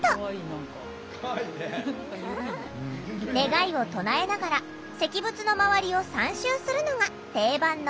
願いを唱えながら石仏の周りを３周するのが定番のお参り。